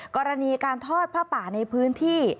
กรณีการทอดผ้าป่าในพื้นที่